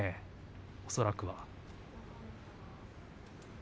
恐らくは。